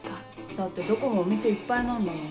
だってどこもお店いっぱいなんだもん。